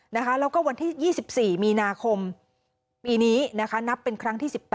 แล้วก็วันที่๒๔มีนาคมปีนี้นับเป็นครั้งที่๑๘